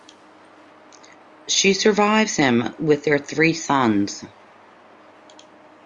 She survives him with their three sons.